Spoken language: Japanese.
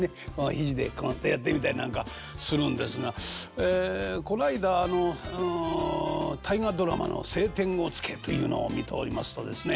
肘でコンとやってみたりなんかするんですがこの間大河ドラマの「青天を衝け」というのを見ておりますとですね